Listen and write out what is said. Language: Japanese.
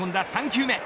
３球目。